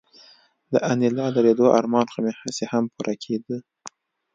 د انیلا د لیدو ارمان خو مې هسې هم پوره کېده